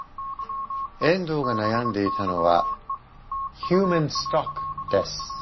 遠藤が悩んでいたのはヒューマンストックです。